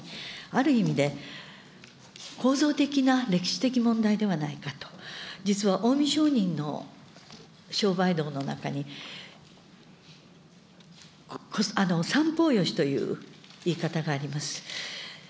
ある意味で、構造的な歴史的問題ではないかと、実は近江商人の商売道の中に、三方よしという言い方があります。